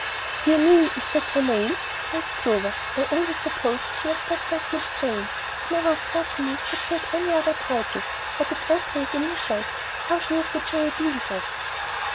"Dear me, is that her name?" cried Clover. "I always supposed she was baptized 'Miss Jane.' It never occurred to me that she had any other title. What appropriate initials! How she used to J.A.B. with us!"